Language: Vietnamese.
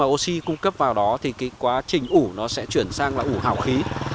oxy cung cấp vào đó thì cái quá trình ủ nó sẽ chuyển sang là ủ hào khí